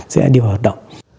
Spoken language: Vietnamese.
sẽ đi vào hoạt động